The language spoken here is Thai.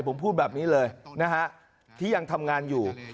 ผมพูดแบบนี้เลยนะฮะที่ยังทำงานอยู่